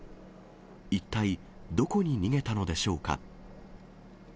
一体、どこに逃げたのでしょうか。